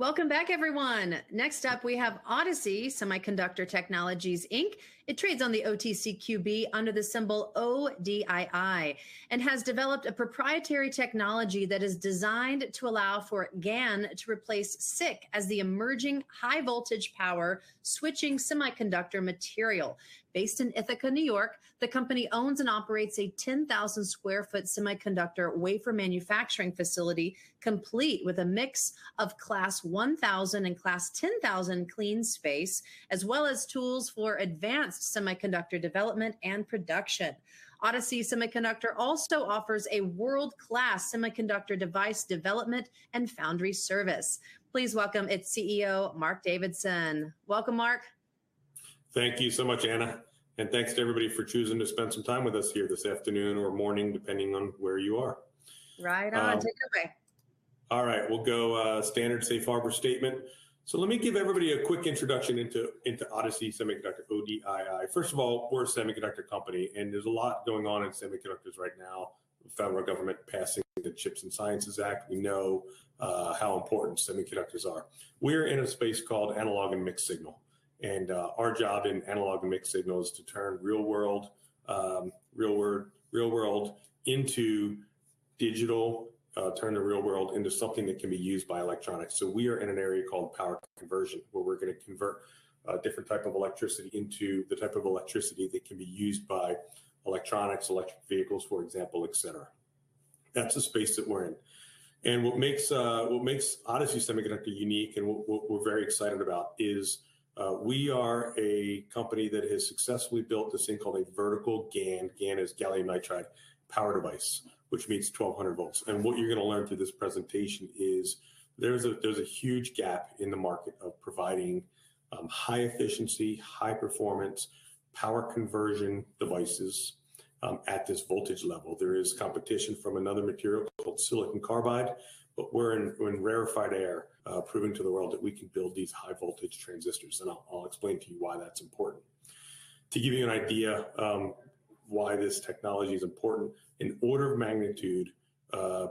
Welcome back, everyone. Next up, we have Odyssey Semiconductor Technologies, Inc. It trades on the OTCQB under the symbol ODII, and has developed a proprietary technology that is designed to allow for GaN to replace SiC as the emerging high-voltage power switching semiconductor material. Based in Ithaca, New York, the company owns and operates a 10,000 sq ft semiconductor wafer manufacturing facility, complete with a mix of class 1,000 and class 10,000 clean space, as well as tools for advanced semiconductor development and production. Odyssey Semiconductor also offers a world-class semiconductor device development and foundry service. Please welcome its CEO Mark Davidson. Welcome, Mark. Thank you so much, Anna, and thanks to everybody for choosing to spend some time with us here this afternoon or morning, depending on where you are. Right on. Take it away. All right. We'll go standard safe harbor statement. Let me give everybody a quick introduction into Odyssey Semiconductor, ODII. First of all, we're a semiconductor company, and there's a lot going on in semiconductors right now. The federal government passing the CHIPS and Science Act. We know how important semiconductors are. We're in a space called analog and mixed signal. Our job in analog and mixed signal is to turn real world into digital. Turn the real world into something that can be used by electronics. We are in an area called power conversion, where we're gonna convert different type of electricity into the type of electricity that can be used by electronics, electric vehicles, for example, et cetera. That's the space that we're in. What makes Odyssey Semiconductor unique and what we're very excited about is we are a company that has successfully built this thing called a vertical GaN. GaN is gallium nitride power device, which means 1,200 volts. What you're gonna learn through this presentation is there's a huge gap in the market of providing high efficiency, high performance power conversion devices at this voltage level. There is competition from another material called silicon carbide, but we're in rarefied air, proving to the world that we can build these high voltage transistors, and I'll explain to you why that's important. To give you an idea, why this technology is important, an order of magnitude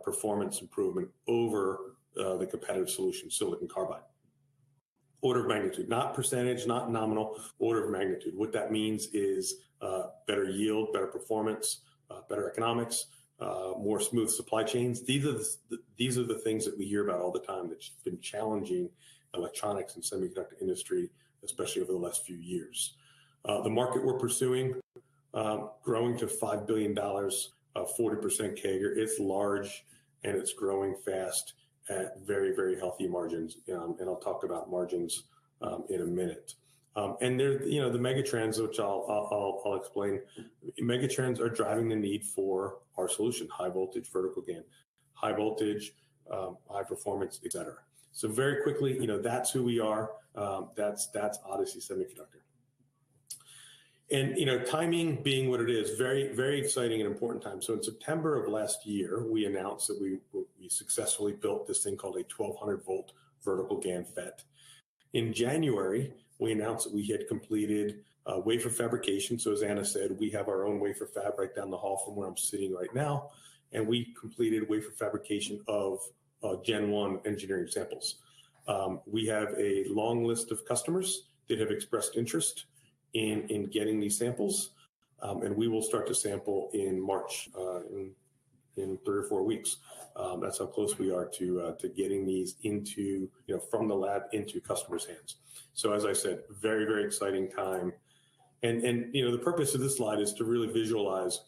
performance improvement over the competitive solution, silicon carbide. Order of magnitude, not percent, not nominal, order of magnitude. What that means is, better yield, better performance, better economics, more smooth supply chains. These are the things that we hear about all the time that's been challenging electronics and semiconductor industry, especially over the last few years. The market we're pursuing, growing to $5 billion, 40% CAGR. It's large, it's growing fast at very, very healthy margins, and I'll talk about margins in a minute. There, you know, the megatrends, which I'll explain. Megatrends are driving the need for our solution, high voltage vertical GaN. High voltage, high performance, et cetera. Very quickly, you know, that's who we are. That's Odyssey Semiconductor. You know, timing being what it is, very, very exciting and important time. In September of last year, we announced that we successfully built this thing called a 1200 volt vertical GaN FET. In January, we announced that we had completed a wafer fabrication. As Anna said, we have our own wafer fab right down the hall from where I'm sitting right now, and we completed wafer fabrication of Gen 1 engineering samples. We have a long list of customers that have expressed interest in getting these samples, and we will start to sample in March, in three or four weeks. That's how close we are to getting these into, you know, from the lab into customers' hands. As I said, very, very exciting time. You know, the purpose of this slide is to really visualize.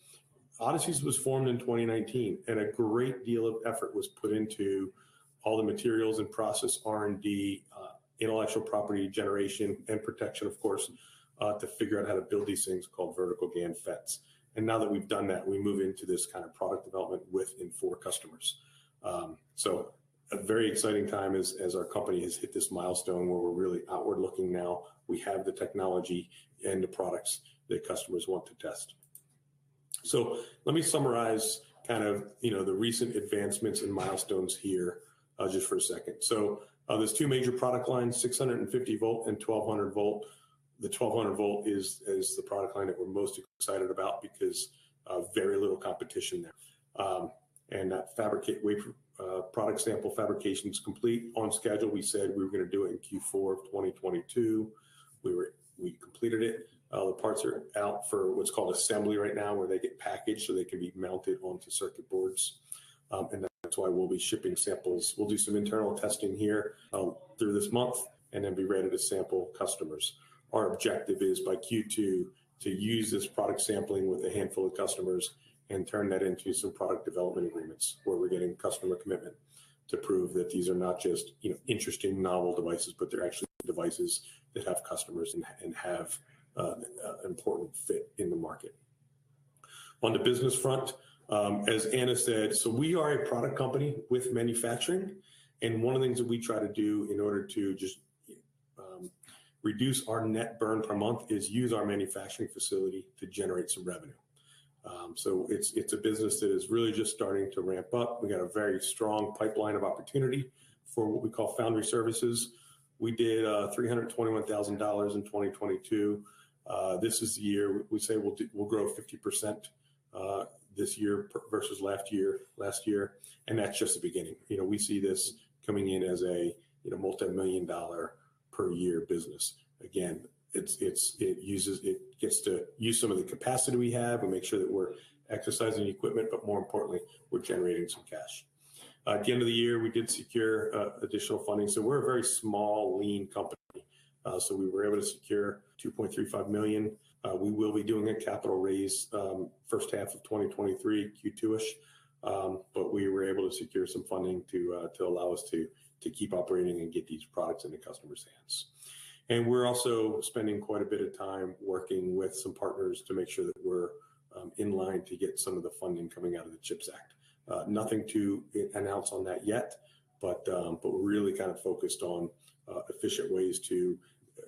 Odyssey was formed in 2019, and a great deal of effort was put into all the materials and process R&D, intellectual property generation and protection, of course, to figure out how to build these things called vertical GaN FETs. Now that we've done that, we move into this kind of product development with and for customers. A very exciting time as our company has hit this milestone where we're really outward looking now. We have the technology and the products that customers want to test. Let me summarize kind of, you know, the recent advancements and milestones here, just for a second. There's two major product lines, 650 volt and 1,200 volt. The 1,200 volt is the product line that we're most excited about because of very little competition there. That product sample fabrication is complete on schedule. We said we were gonna do it in Q4 of 2022. We completed it. The parts are out for what's called assembly right now, where they get packaged, so they can be mounted onto circuit boards. That's why we'll be shipping samples. We'll do some internal testing here through this month and then be ready to sample customers. Our objective is by Q2 to use this product sampling with a handful of customers and turn that into some product development agreements, where we're getting customer commitment to prove that these are not just, you know, interesting novel devices, but they're actually devices that have customers and have important fit in the market. On the business front, as Anna said, we are a product company with manufacturing, and one of the things that we try to do in order to just reduce our net burn per month is use our manufacturing facility to generate some revenue. It's a business that is really just starting to ramp up. We got a very strong pipeline of opportunity for what we call foundry services. We did $321,000 in 2022. This is the year we say we'll grow 50% this year versus last year, and that's just the beginning. You know, we see this coming in as a, you know, multimillion-dollar per year business. Again, it's it gets to use some of the capacity we have. We make sure that we're exercising equipment, but more importantly, we're generating some cash. At the end of the year, we did secure additional funding. We're a very small, lean company. We were able to secure $2.35 million. We will be doing a capital raise, first half of 2023, Q2-ish. We were able to secure some funding to allow us to keep operating and get these products into customers' hands. We're also spending quite a bit of time working with some partners to make sure that we're in line to get some of the funding coming out of the CHIPS Act. Nothing to announce on that yet, but we're really kind of focused on efficient ways to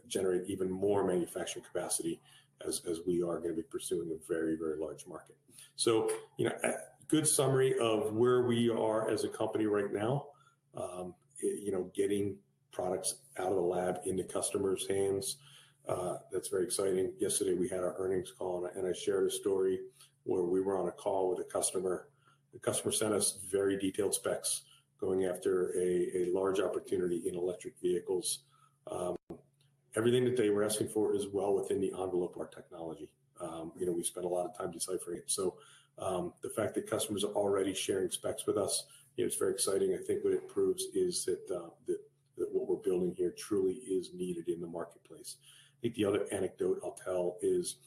generate even more manufacturing capacity as we are gonna be pursuing a very, very large market. You know, a good summary of where we are as a company right now, you know, getting products out of the lab into customers' hands, that's very exciting. Yesterday, we had our earnings call, and I, and I shared a story where we were on a call with a customer. The customer sent us very detailed specs going after a large opportunity in electric vehicles. Everything that they were asking for is well within the envelope of our technology. You know, we spent a lot of time deciphering it. The fact that customers are already sharing specs with us, you know, it's very exciting. I think what it proves is that what we're building here truly is needed in the marketplace. I think the other anecdote I'll tell is,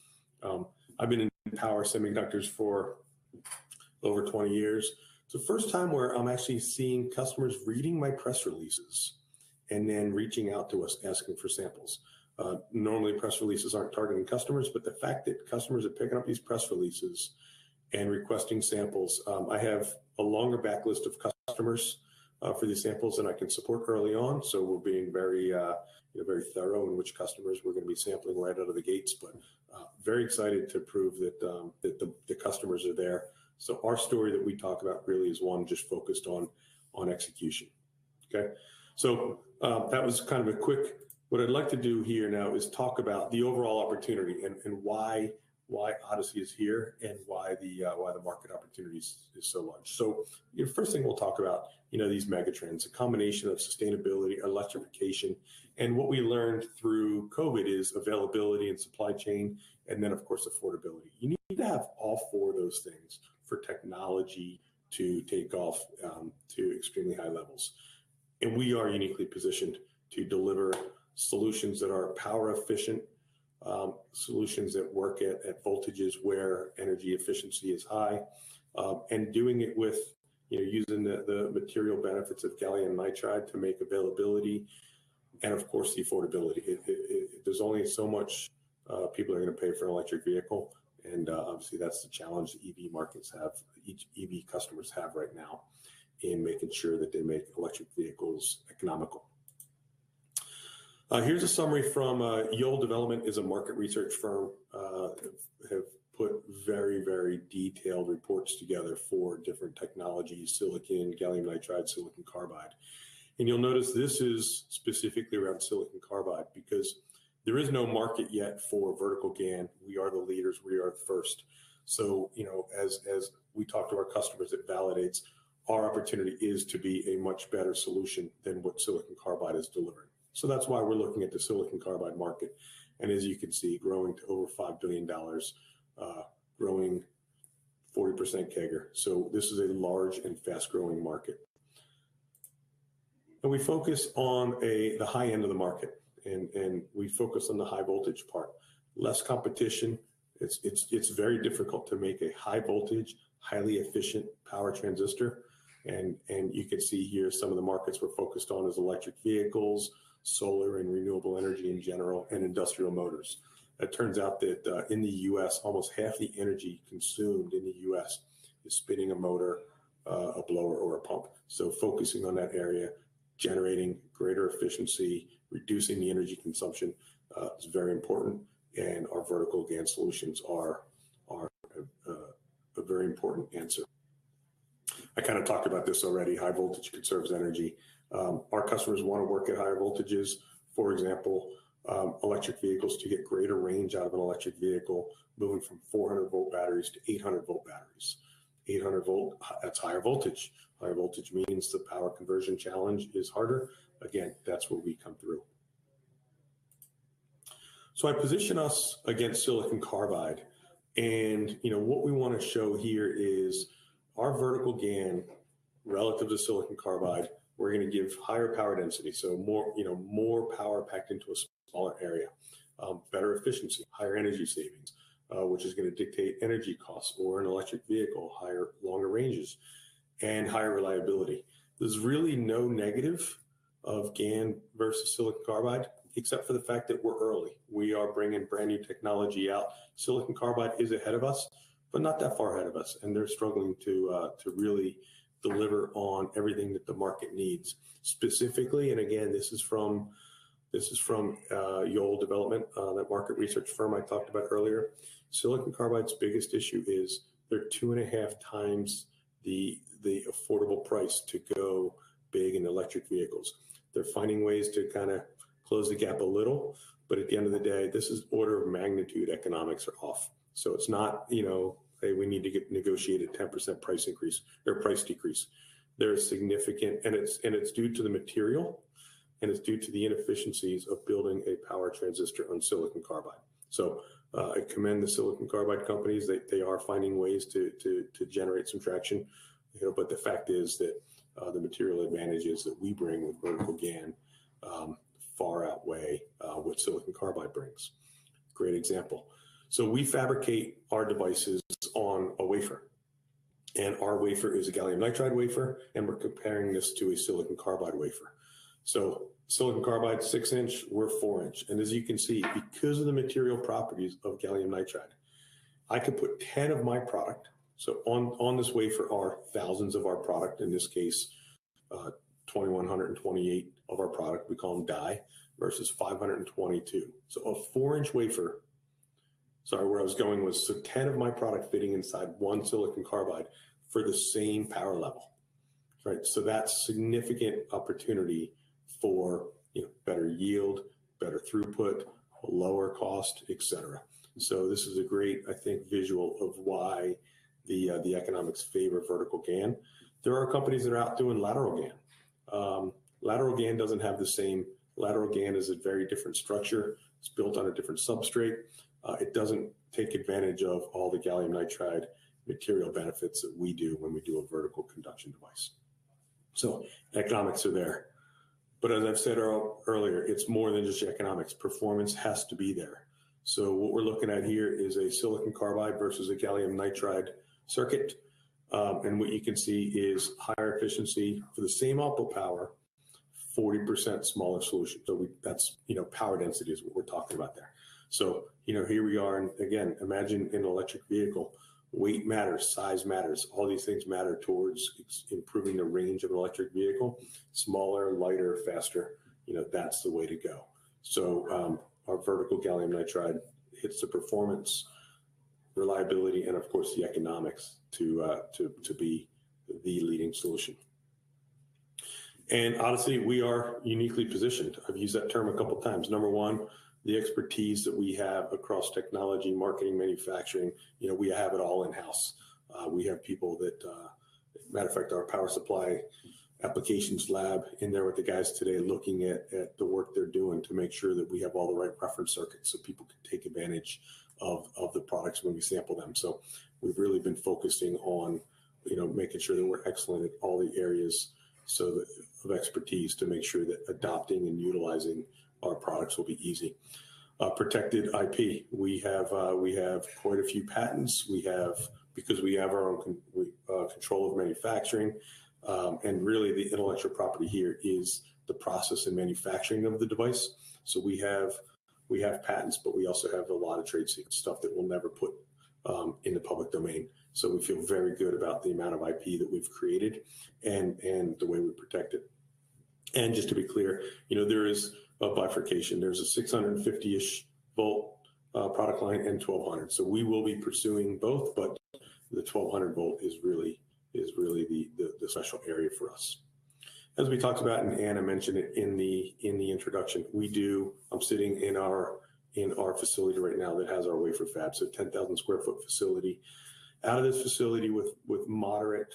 I've been in power semiconductors for over 20 years. It's the first time where I'm actually seeing customers reading my press releases and then reaching out to us asking for samples. Normally, press releases aren't targeting customers, but the fact that customers are picking up these press releases and requesting samples, I have a longer backlist of customers for these samples than I can support early on. We're being very, you know, very thorough in which customers we're gonna be sampling right out of the gates. Very excited to prove that the customers are there. Our story that we talk about really is one just focused on execution. Okay? That was kind of a quick. What I'd like to do here now is talk about the overall opportunity and why Odyssey is here and why the market opportunity is so large. You know, first thing we'll talk about, you know, these megatrends, a combination of sustainability, electrification, and what we learned through COVID is availability and supply chain, and then, of course, affordability. You need to have all four of those things for technology to take off to extremely high levels. We are uniquely positioned to deliver solutions that are power efficient, solutions that work at voltages where energy efficiency is high, and doing it with, you know, using the material benefits of gallium nitride to make availability and of course, the affordability. There's only so much people are gonna pay for an electric vehicle, obviously, that's the challenge EV markets have, each EV customers have right now in making sure that they make electric vehicles economical. Here's a summary from Yole Développement is a market research firm, have put very, very detailed reports together for different technologies, silicon, gallium nitride, silicon carbide. You'll notice this is specifically around silicon carbide because there is no market yet for vertical GaN. We are the leaders. We are the first. You know, as we talk to our customers, it validates our opportunity is to be a much better solution than what silicon carbide is delivering. That's why we're looking at the silicon carbide market. As you can see, growing to over $5 billion, growing 40% CAGR. This is a large and fast-growing market. We focus on the high end of the market, and we focus on the high voltage part. Less competition. It's very difficult to make a high voltage, highly efficient power transistor. You can see here some of the markets we're focused on is electric vehicles, solar and renewable energy in general, and industrial motors. It turns out that in the US, almost half the energy consumed in the US is spinning a motor, a blower, or a pump. Focusing on that area, generating greater efficiency, reducing the energy consumption, is very important, and our vertical GaN solutions are a very important answer. I kind of talked about this already. High voltage conserves energy. Our customers want to work at higher voltages. For example, electric vehicles to get greater range out of an electric vehicle, moving from 400 volt batteries to 800 volt batteries. 800 volt, that's higher voltage. Higher voltage means the power conversion challenge is harder. Again, that's where we come through. I position us against silicon carbide. You know, what we wanna show here is our vertical GaN relative to silicon carbide, we're gonna give higher power density, so more, you know, more power packed into a smaller area, better efficiency, higher energy savings, which is gonna dictate energy costs for an electric vehicle, higher, longer ranges, and higher reliability. There's really no negative of GaN versus silicon carbide, except for the fact that we're early. We are bringing brand new technology out. Silicon carbide is ahead of us, but not that far ahead of us, and they're struggling to really deliver on everything that the market needs. Specifically, again, this is from, this is from Yole Développement, that market research firm I talked about earlier. Silicon carbide's biggest issue is they're 2.5 times the affordable price to go big in electric vehicles. They're finding ways to kind of close the gap a little, but at the end of the day, this is order of magnitude economics are off. It's not, you know, "Hey, we need to get negotiated 10% price increase or price decrease." They're significant, and it's, and it's due to the material, and it's due to the inefficiencies of building a power transistor on silicon carbide. I commend the silicon carbide companies. They are finding ways to generate some traction, you know, but the fact is that the material advantages that we bring with vertical GaN far outweigh what silicon carbide brings. Great example. We fabricate our devices on a wafer, our wafer is a gallium nitride wafer, we're comparing this to a silicon carbide wafer. Silicon carbide, 6 inch, we're 4 inch. As you can see, because of the material properties of gallium nitride, on this wafer are thousands of our product, in this case, 2,128 of our product, we call them die, versus 522. Sorry, where I was going was, 10 of my product fitting inside one silicon carbide for the same power level, right? That's significant opportunity for, you know, better yield, better throughput, lower cost, et cetera. This is a great, I think, visual of why the economics favor vertical GaN. There are companies that are out doing lateral GaN. Lateral GaN doesn't have the same. Lateral GaN is a very different structure. It's built on a different substrate. It doesn't take advantage of all the gallium nitride material benefits that we do when we do a vertical conduction device. Economics are there. As I've said earlier, it's more than just the economics. Performance has to be there. What we're looking at here is a silicon carbide versus a gallium nitride circuit. What you can see is higher efficiency for the same output power, 40% smaller solution. That's, you know, power density is what we're talking about there. You know, here we are, and again, imagine an electric vehicle, weight matters, size matters, all these things matter towards improving the range of an electric vehicle. Smaller, lighter, faster, you know, that's the way to go. Our vertical gallium nitride hits the performance, reliability, and of course, the economics to be the leading solution. Honestly, we are uniquely positioned. I've used that term a couple of times. Number one, the expertise that we have across technology, marketing, manufacturing, you know, we have it all in-house. We have people that, matter of fact, our power supply applications lab in there with the guys today looking at the work they're doing to make sure that we have all the right reference circuits so people can take advantage of the products when we sample them. We've really been focusing on, you know, making sure that we're excellent at all the areas of expertise to make sure that adopting and utilizing our products will be easy. Protected IP. We have, we have quite a few patents. Because we have our own control of manufacturing, and really the intellectual property here is the process and manufacturing of the device. We have, we have patents, but we also have a lot of trade secret stuff that we'll never put in the public domain. We feel very good about the amount of IP that we've created and the way we protect it. Just to be clear, you know, there is a bifurcation. There's a 650-ish volt product line and 1200. We will be pursuing both, but the 1200 volt is really the special area for us. As we talked about, and Anna mentioned it in the introduction, I'm sitting in our facility right now that has our wafer fab, so 10,000 sq ft facility. Out of this facility with moderate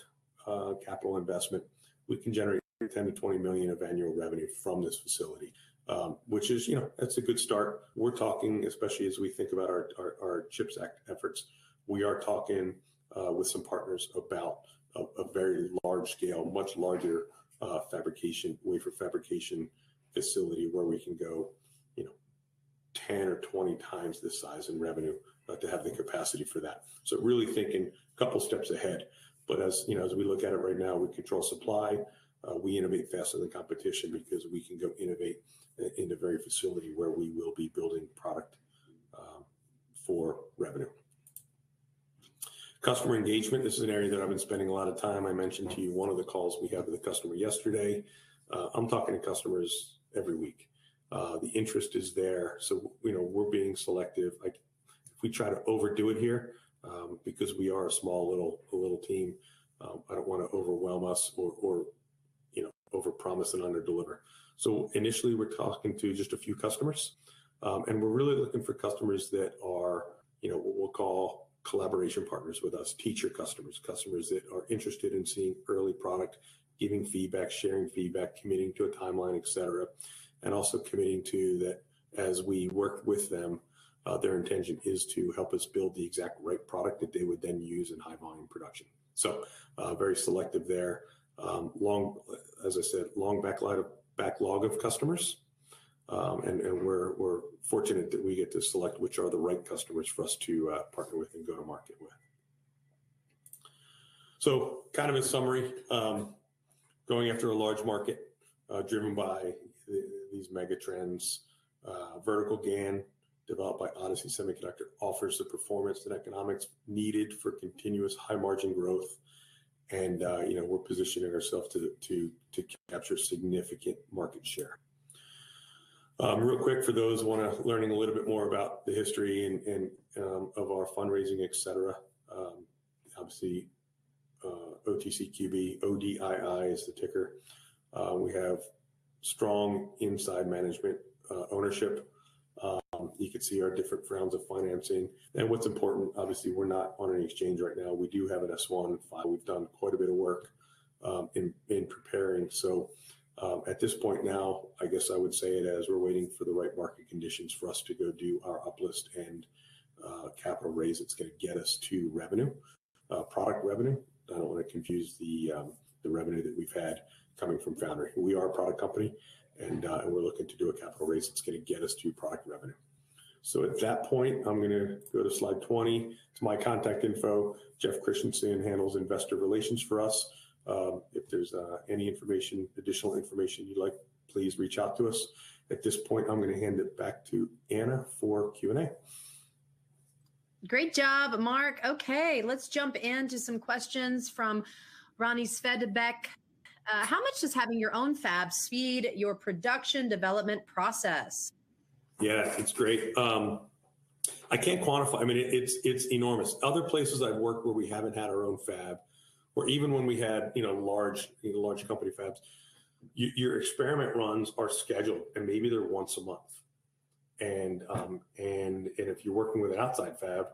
capital investment, we can generate $10 million-$20 million of annual revenue from this facility, which is, you know, that's a good start. We're talking, especially as we think about our CHIPS Act efforts, we are talking with some partners about a very large scale, much larger fabrication, wafer fabrication facility where we can go, you know, 10 or 20 times the size in revenue to have the capacity for that. Really thinking a couple steps ahead. As, you know, as we look at it right now, we control supply, we innovate faster than competition because we can go innovate in the very facility where we will be building product for revenue. Customer engagement. This is an area that I've been spending a lot of time. I mentioned to you one of the calls we had with a customer yesterday. I'm talking to customers every week. The interest is there, you know, we're being selective. If we try to overdo it here, because we are a small, a little team, I don't wanna overwhelm us or, you know, overpromise and underdeliver. Initially, we're talking to just a few customers, and we're really looking for customers that are, you know, what we'll call collaboration partners with us, teacher customers that are interested in seeing early product, giving feedback, sharing feedback, committing to a timeline, et cetera. Also committing to that as we work with them, their intention is to help us build the exact right product that they would then use in high volume production. Very selective there. Long, as I said, long backlog of customers. We're fortunate that we get to select which are the right customers for us to partner with and go to market with. Kind of in summary, going after a large market, driven by these mega trends, vertical GaN developed by Odyssey Semiconductor Technologies offers the performance and economics needed for continuous high margin growth. You know, we're positioning ourself to capture significant market share. Real quick for those learning a little bit more about the history and of our fundraising, et cetera, obviously, OTCQB, ODII is the ticker. We have strong inside management ownership. You can see our different rounds of financing. What's important, obviously, we're not on an exchange right now. We do have an S-1 file. We've done quite a bit of work in preparing. At this point now, I guess I would say it as we're waiting for the right market conditions for us to go do our uplist and capital raise that's gonna get us to revenue, product revenue. I don't wanna confuse the revenue that we've had coming from foundr. We are a product company, and we're looking to do a capital raise that's gonna get us to product revenue. At that point, I'm gonna go to slide 20. It's my contact info. Jeff Christensen handles investor relations for us. If there's any information, additional information you'd like, please reach out to us. At this point, I'm gonna hand it back to Anna for Q&A. Great job, Mark. Let's jump in to some questions from Ronnie Svedbeck. How much does having your own fab speed your production development process? Yeah, it's great. I can't quantify. I mean, it's enormous. Other places I've worked where we haven't had our own fab, or even when we had, you know, large, you know, large company fabs, your experiment runs are scheduled, and maybe they're once a month. If you're working with an outside fab,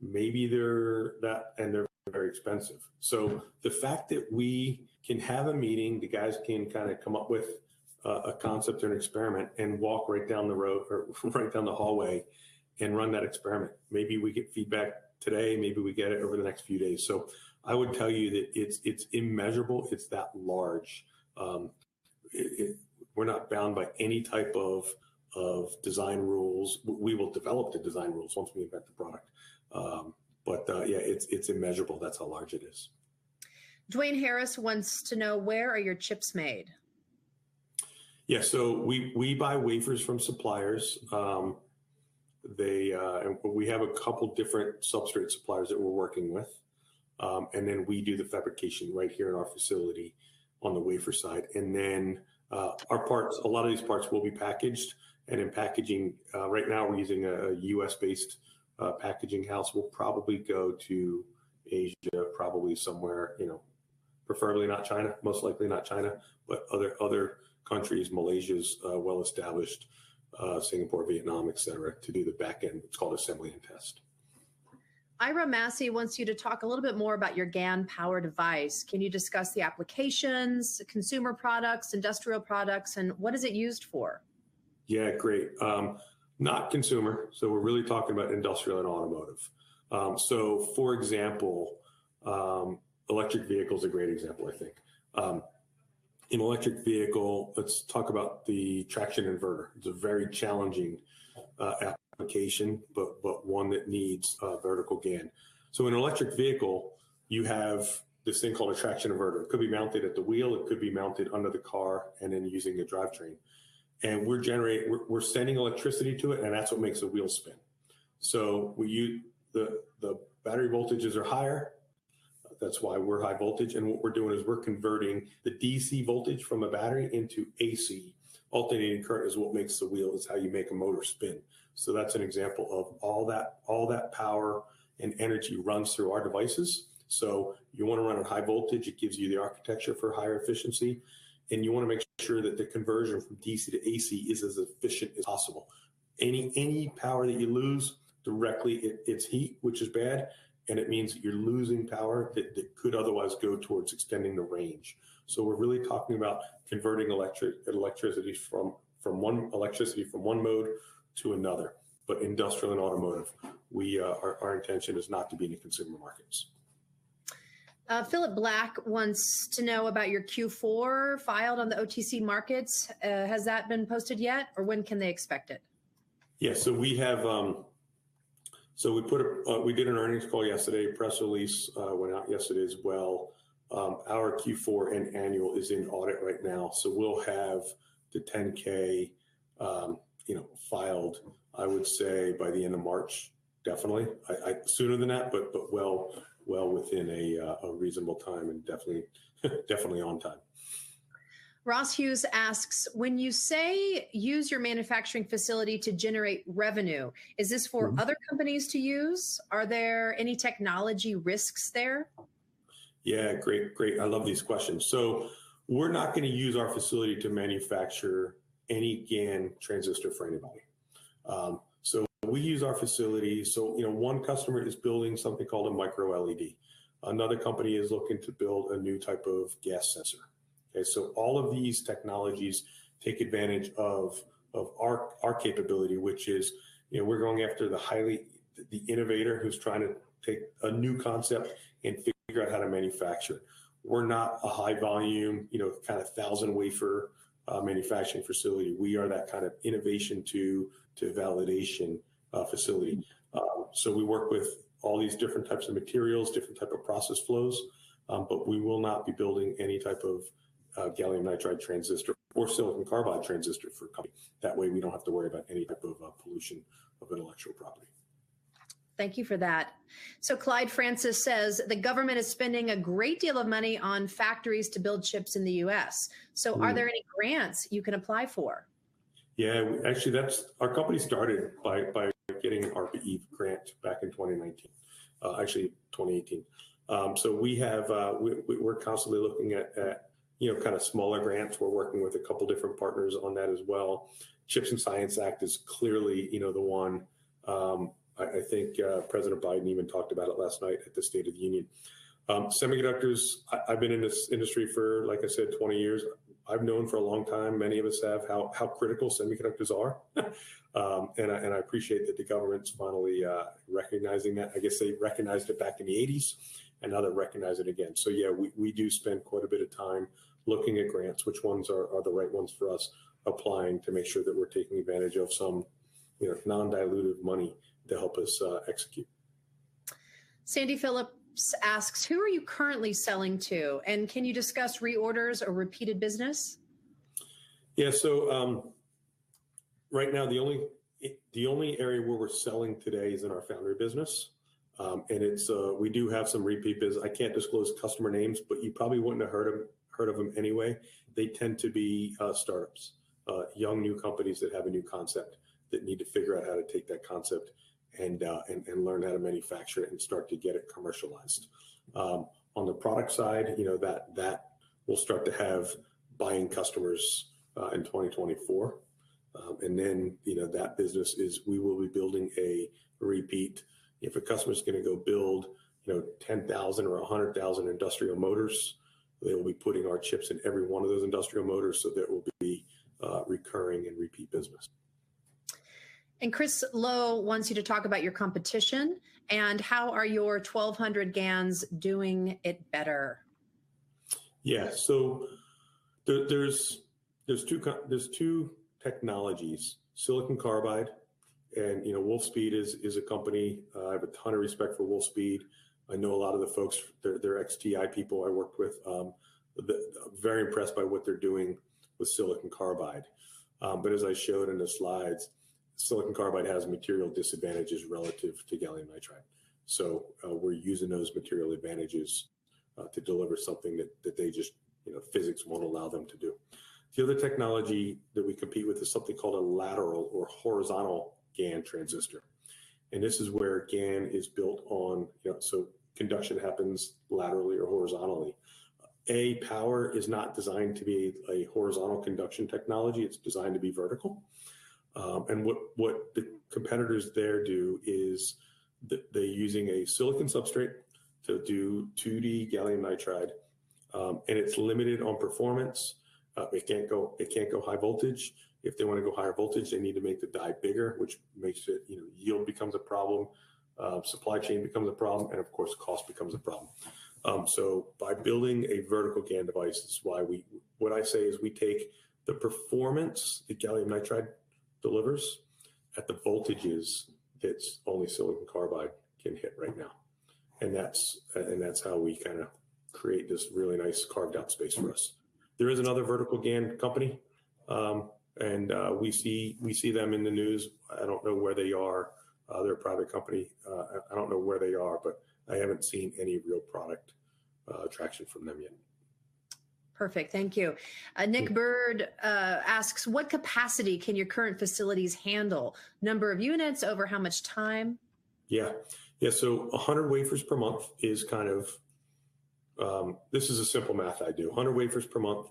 maybe they're that and they're very expensive. The fact that we can have a meeting, the guys can kind of come up with a concept or an experiment and walk right down the road or right down the hallway and run that experiment. Maybe we get feedback today, maybe we get it over the next few days. I would tell you that it's immeasurable. It's that large. If we're not bound by any type of design rules, we will develop the design rules once we invent the product. Yeah, it's immeasurable. That's how large it is. Duane Harris wants to know where are your chips made? Yeah. We buy wafers from suppliers. We have a couple different substrate suppliers that we're working with. We do the fabrication right here in our facility on the wafer side. Our parts, a lot of these parts will be packaged. In packaging, right now we're using a US-based packaging house. We'll probably go to Asia, probably somewhere, you know, preferably not China, most likely not China, but other countries. Malaysia's well-established, Singapore, Vietnam, et cetera, to do the back end. It's called assembly and test. Ira Massey wants you to talk a little bit more about your GaN power device. Can you discuss the applications, the consumer products, industrial products, and what is it used for? Yeah, great. Not consumer. We're really talking about industrial and automotive. For example, electric vehicle is a great example, I think. In electric vehicle, let's talk about the traction inverter. It's a very challenging application, but one that needs a vertical GaN. In an electric vehicle, you have this thing called a traction inverter. It could be mounted at the wheel, it could be mounted under the car, and then using a drivetrain. We're sending electricity to it, that's what makes the wheel spin. The battery voltages are higher. That's why we're high voltage. What we're doing is we're converting the DC voltage from a battery into AC. Alternating current is what makes the wheel, it's how you make a motor spin. That's an example of all that, all that power and energy runs through our devices. You wanna run a high voltage, it gives you the architecture for higher efficiency, and you wanna make sure that the conversion from DC to AC is as efficient as possible. Any power that you lose directly, it's heat, which is bad, and it means you're losing power that could otherwise go towards extending the range. We're really talking about converting electricity from one electricity from one mode to another, but industrial and automotive. We, our intention is not to be in the consumer markets. Philip Black wants to know about your Q4 filed on the OTC Markets. Has that been posted yet, or when can they expect it? Yeah. We have, we did an earnings call yesterday. Press release went out yesterday as well. Our Q4 and annual is in audit right now. We'll have the 10-K, you know, filed, I would say, by the end of March, definitely. I sooner than that, but well within a reasonable time and definitely on time. Ross Hughes asks, when you say use your manufacturing facility to generate revenue, is this for other companies to use? Are there any technology risks there? Yeah. Great. Great. I love these questions. We're not gonna use our facility to manufacture any GaN transistor for anybody. We use our facility. You know, one customer is building something called a MicroLED. Another company is looking to build a new type of gas sensor. Okay? All of these technologies take advantage of our capability, which is, you know, we're going after the innovator who's trying to take a new concept and figure out how to manufacture. We're not a high volume, you know, kind of 1,000 wafer manufacturing facility. We are that kind of innovation to validation facility. We work with all these different types of materials, different type of process flows. We will not be building any type of gallium nitride transistor or silicon carbide transistor for company. That way we don't have to worry about any type of pollution of intellectual property. Thank you for that. Clyde Francis says the government is spending a great deal of money on factories to build chips in the U.S. Are there any grants you can apply for? Yeah. Actually, our company started by getting an ARPA-E grant back in 2019. Actually 2018. We have, we're constantly looking at, you know, kind of smaller grants. We're working with a couple different partners on that as well. CHIPS and Science Act is clearly, you know, the one, I think President Biden even talked about it last night at the State of the Union. Semiconductors, I've been in this industry for, like I said, 20 years. I've known for a long time, many of us have, how critical semiconductors are. I appreciate that the government's finally recognizing that. I guess they recognized it back in the '80s, and now they recognize it again. Yeah, we do spend quite a bit of time looking at grants, which ones are the right ones for us, applying to make sure that we're taking advantage of some, you know, non-dilutive money to help us, execute. Sandy Phillips asks, "Who are you currently selling to, and can you discuss reorders or repeated business? Yeah. Right now, the only area where we're selling today is in our foundry business. It's, we do have some repeat business. I can't disclose customer names, but you probably wouldn't have heard of them anyway. They tend to be startups, young new companies that have a new concept that need to figure out how to take that concept and learn how to manufacture it and start to get it commercialized. On the product side, you know, that will start to have buying customers in 2024. You know, that business is we will be building a repeat. If a customer's gonna go build, you know, 10,000 or 100,000 industrial motors, they'll be putting our chips in every one of those industrial motors. That will be recurring and repeat business. Chris Lowe wants you to talk about your competition, and how are your 1,200 GaNs doing it better? Yeah. There's two technologies, silicon carbide and, you know, Wolfspeed is a company. I have a ton of respect for Wolfspeed. I know a lot of the folks. They're ex-TI people I worked with. Very impressed by what they're doing with silicon carbide. As I showed in the slides, silicon carbide has material disadvantages relative to gallium nitride. We're using those material advantages to deliver something that they just, you know, physics won't allow them to do. The other technology that we compete with is something called a lateral or horizontal GaN transistor, and this is where GaN is built on, you know, so conduction happens laterally or horizontally. Power is not designed to be a horizontal conduction technology. It's designed to be vertical. And what the competitors there do is they're using a silicon substrate to do 2D gallium nitride, and it's limited on performance. It can't go high voltage. If they wanna go higher voltage, they need to make the die bigger, which makes it, you know, yield becomes a problem, supply chain becomes a problem, and of course, cost becomes a problem. So by building a vertical GaN device, that's why what I say is we take the performance that gallium nitride delivers at the voltages that only silicon carbide can hit right now, and that's how we kind of create this really nice carved-out space for us. There is another vertical GaN company, and we see them in the news. I don't know where they are. They're a private company. I don't know where they are, but I haven't seen any real product, traction from them yet. Perfect. Thank you. Nick Bird asks, "What capacity can your current facilities handle? Number of units over how much time? Yeah. Yeah, 100 wafers per month is kind of, this is a simple math I do. 100 wafers per month,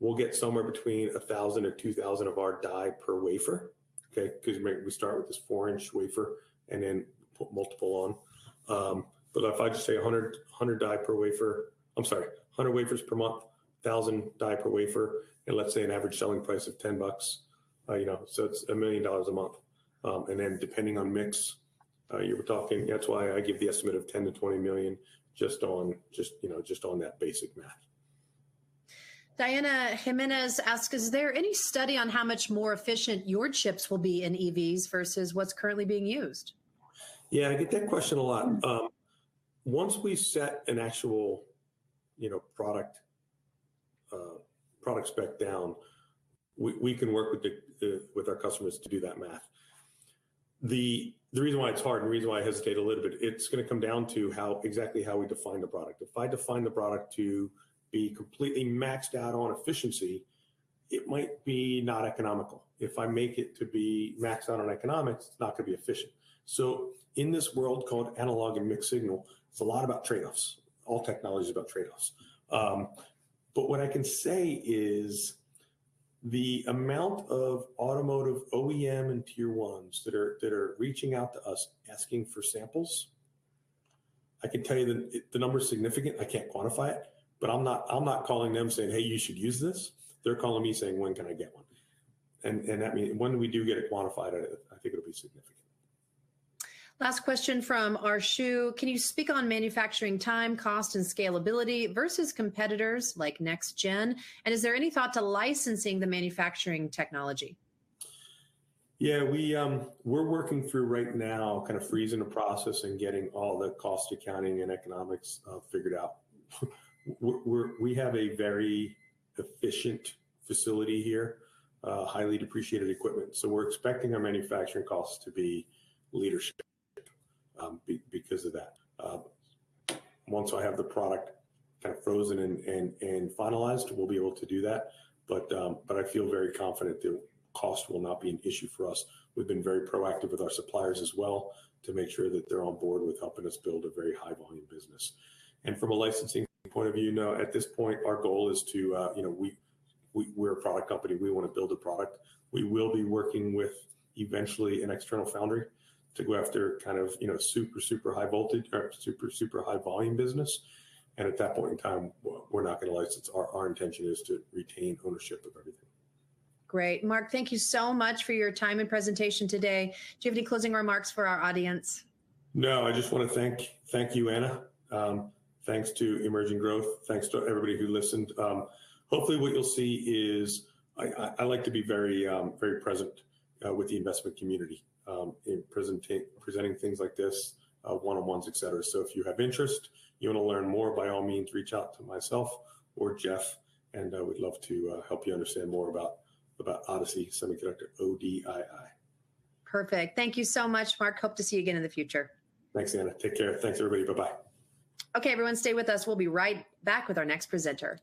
we'll get somewhere between 1,000 or 2,000 of our die per wafer, okay, 'cause we start with this 4-inch wafer and then put multiple on. If I just say 100 die per wafer, I'm sorry, 100 wafers per month, 1,000 die per wafer, and let's say an average selling price of $10, you know, it's $1 million a month. Depending on mix, you were talking, that's why I give the estimate of $10 million-$20 million just on, just, you know, just on that basic math. Diana Jimenez asks, "Is there any study on how much more efficient your chips will be in EVs versus what's currently being used? Yeah, I get that question a lot. Once we set an actual, you know, product spec down, we can work with the with our customers to do that math. The reason why it's hard and the reason why I hesitate a little bit, it's gonna come down to exactly how we define the product. If I define the product to be completely maxed out on efficiency, it might be not economical. If I make it to be maxed out on economics, it's not gonna be efficient. In this world called analog and mixed signal, it's a lot about trade-offs. All technology's about trade-offs. But what I can say is the amount of automotive OEM and tier ones that are reaching out to us asking for samples, I can tell you the number's significant. I can't quantify it, but I'm not calling them saying, "Hey, you should use this." They're calling me saying, "When can I get one?" I mean, when we do get it quantified, I think it'll be significant. Last question from Arshu. "Can you speak on manufacturing time, cost, and scalability versus competitors like NexGen, and is there any thought to licensing the manufacturing technology? Yeah. We're working through right now kind of freezing the process and getting all the cost accounting and economics figured out. We have a very efficient facility here, highly depreciated equipment, so we're expecting our manufacturing costs to be leadership because of that. Once I have the product kind of frozen and finalized, we'll be able to do that. I feel very confident that cost will not be an issue for us. We've been very proactive with our suppliers as well to make sure that they're on board with helping us build a very high volume business. From a licensing point of view, no. At this point, our goal is to, you know, we're a product company. We wanna build a product. We will be working with, eventually, an external foundry to go after kind of, you know, super high voltage or super high volume business, and at that point in time, we're not gonna license. Our, our intention is to retain ownership of everything. Great. Mark, thank you so much for your time and presentation today. Do you have any closing remarks for our audience? No. I just wanna thank you, Anna. Thanks to Emerging Growth. Thanks to everybody who listened. Hopefully, what you'll see is I like to be very, very present, with the investment community, in presenting things like this, one-on-ones, et cetera. If you have interest, you wanna learn more, by all means, reach out to myself or Jeff, and, we'd love to help you understand more about Odyssey Semiconductor, ODII. Perfect. Thank you so much, Mark. Hope to see you again in the future. Thanks, Anna. Take care. Thanks, everybody. Bye-bye. Okay, everyone. Stay with us. We'll be right back with our next presenter.